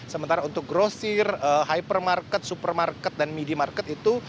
sementara untuk grocery hypermarket supermarket dan midi market itu